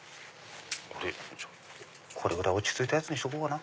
これぐらい落ち着いたやつにしとこうかな。